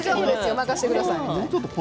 任せてください。